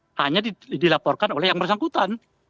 bahwa pencemaran delik bedanya itu hanya dilaporkan oleh yang bersangkutan